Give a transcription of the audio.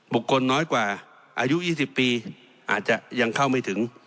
คนน้อยกว่าอายุ๒๐ปีอาจจะยังเข้าไม่ถึง